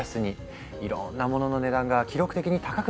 いろんな物の値段が記録的に高くなっている。